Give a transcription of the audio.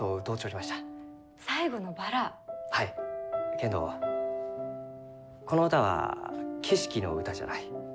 けんどこの歌は景色の歌じゃない。